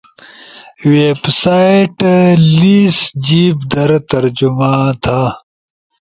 ویب سائتٹ لیس جیِب در ترجمہ تا